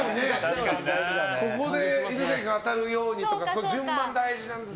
ここで犬飼君当たるようにとか順番大事ですね。